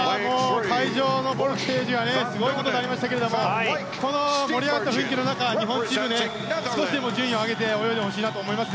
会場のボルテージはすごいことになりましたけど盛り上がった雰囲気の中日本チームは少しでも順位を上げて泳いでほしいと思います。